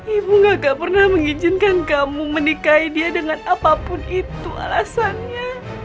ibu gak pernah mengizinkan kamu menikahi dia dengan apapun itu alasannya